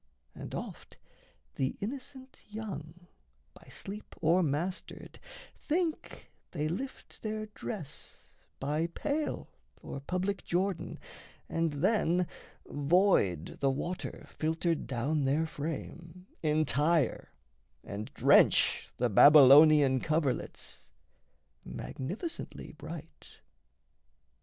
And oft the innocent young, By sleep o'ermastered, think they lift their dress By pail or public jordan and then void The water filtered down their frame entire And drench the Babylonian coverlets, Magnificently bright.